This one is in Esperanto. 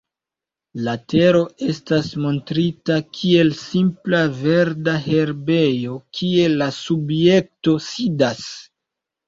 La tero estas montrita kiel simpla verda herbejo, kie la subjekto sidas.